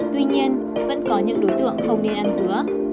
tuy nhiên vẫn có những đối tượng không đi ăn dứa